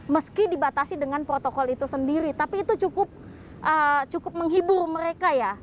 meski dibatasi dengan protokol itu sendiri tapi itu cukup menghibur mereka ya